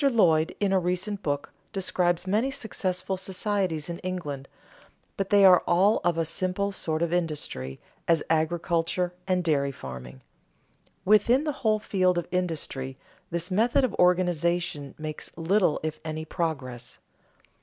Lloyd, in a recent book, describes many successful societies in England, but they are all of a simple sort of industry, as agriculture and dairy farming. Within the whole field of industry, this method of organization makes little if any progress.